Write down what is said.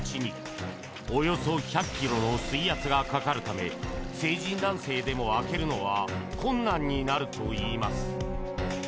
およそ１００ｋｇの水圧がかかるため成人男性でも、開けるのは困難になるといいます。